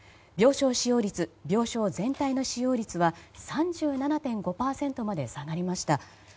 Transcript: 病床使用率、病床全体の使用率は３７．５％まで下がりました。